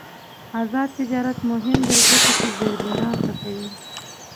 آزاد تجارت مهم دی ځکه چې زیربنا ښه کوي.